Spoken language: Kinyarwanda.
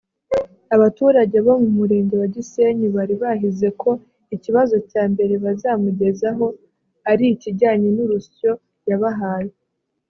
abaturage bo mu Murenge wa Gisenyi bari bahize ko ikibazo cya mbere bazamugezaho ari ikijyanye n’urusyo yabahaye